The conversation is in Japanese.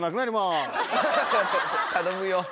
頼むよ